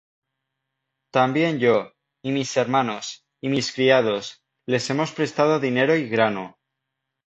También yo, y mis hermanos, y mis criados, les hemos prestado dinero y grano: